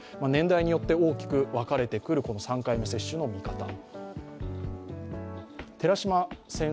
年代によって大きく分かれてくる３回目接種の見方。